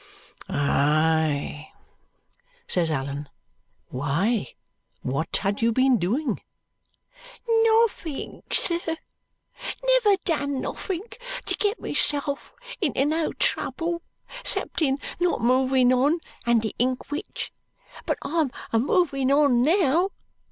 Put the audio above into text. "Aye!" says Allan. "Why, what had you been doing?" "Nothink, sir. Never done nothink to get myself into no trouble, 'sept in not moving on and the inkwhich. But I'm a moving on now.